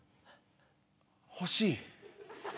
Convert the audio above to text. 欲しい。